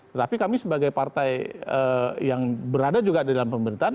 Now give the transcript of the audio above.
tetapi kami sebagai partai yang berada juga di dalam pemerintahan